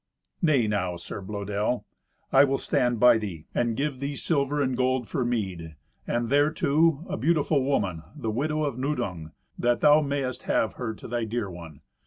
"Nay now, Sir Blœdel, I will stand by thee, and give thee silver and gold for meed, and, thereto, a beautiful woman, the widow of Nudung, that thou mayest have her to thy dear one.